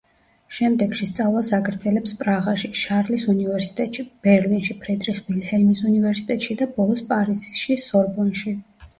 შემდეგში სწავლას აგრძელებს პრაღაში შარლის უნივერსიტეტში, ბერლინში ფრიდრიხ ვილჰელმის უნივერსიტეტში და ბოლოს პარიზში სორბონში.